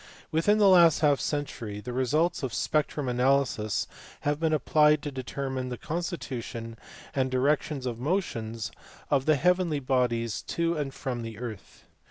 Within the last half century the results of spectrum analysis have been applied to determine the constitution, and directions of motions of the heavenly bodies to and from the earth.